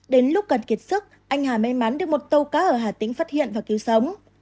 đến lúc cần kiệt sức anh hà may mắn được một tàu cá ở hà tĩnh phát hiện và cứu sống